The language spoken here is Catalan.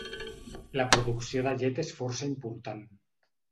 La producció de llet és força important.